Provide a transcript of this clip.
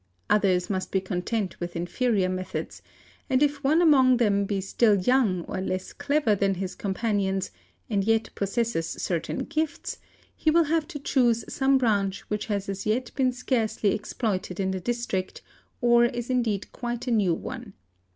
Others must be content with inferior methods; — and if one among them be still young or less clever than his companions, and yet possesses certain gifts, he will have to choose somé branch which has as yet been scarcely exploited in the district or is indeed quite a new one.